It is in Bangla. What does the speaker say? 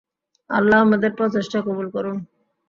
আল্লাহ আমাদের প্রচেষ্টা কবুল করুন!